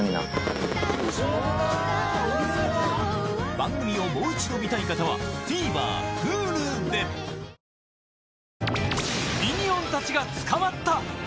番組をもう一度見たい方はＴＶｅｒＨｕｌｕでへい「白チャーハン」！